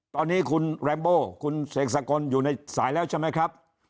ตอนนี้คุณแรมโบคุณเสกสกลอยู่ในสายแล้วใช่ไหมครับ